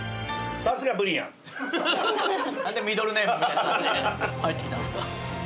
何でミドルネームみたいな感じで入ってきたんですか。